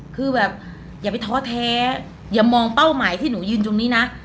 คือแบบอย่าไปท้อแท้อย่ามองเป้าหมายที่หนูยืนตรงนี้นะ